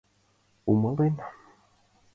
Умылен?